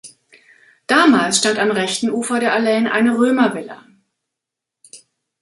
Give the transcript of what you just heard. Damals stand am rechten Ufer der Allaine eine Römervilla.